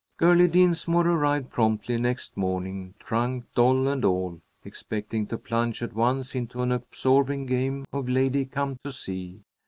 Girlie Dinsmore arrived promptly next morning, trunk, doll, and all, expecting to plunge at once into an absorbing game of lady come to see.